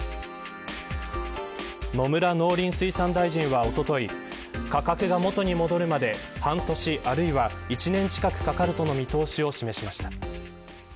野村農林水産大臣はおととい価格が元に戻るまで半年あるいは１年近くかかるとの見通しを示しました。